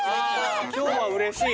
今日はうれしい。